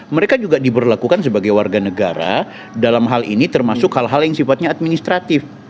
mereka juga diberlakukan sebagai warga negara dalam hal ini termasuk hal hal yang sifatnya administratif